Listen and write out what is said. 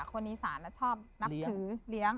คนอีสานชอบนับถือเลี้ยง